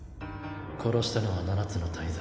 殺したのは七つの大罪。